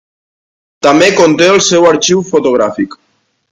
També conté el seu arxiu fotogràfic.